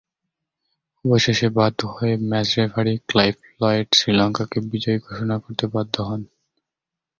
অবশেষে বাধ্য হয়ে ম্যাচ রেফারি ক্লাইভ লয়েড শ্রীলঙ্কাকে বিজয়ী ঘোষণা করতে বাধ্য হন।